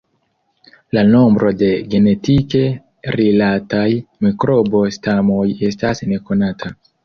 La nombro de genetike rilataj mikrobo-stamoj estas nekonata.